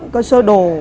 có sơ đồ